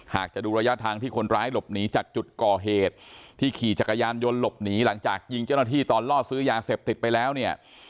หากจะดูระยะทางที่คนร้ายหลบหนีจากจุดก่อเหตุที่ขี่จักรยานยนต์หลบหนีหลังจากยิงเจ้าหน้าที่ตอนล่อซื้อยาเสพติดไปแล้วเนี่ย